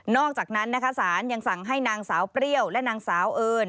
อกจากนั้นนะคะสารยังสั่งให้นางสาวเปรี้ยวและนางสาวเอิญ